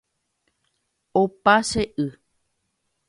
Opa che y.